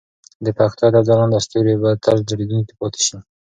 د پښتو ادب ځلانده ستوري به تل ځلېدونکي پاتې شي.